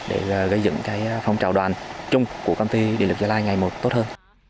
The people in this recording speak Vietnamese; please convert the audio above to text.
để gây dựng phong trào đoàn chung của công ty điện lực gia lai ngày một tốt hơn